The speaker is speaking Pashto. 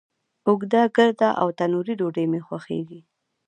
اوږده، ګرده، او تنوری ډوډۍ می خوښیږی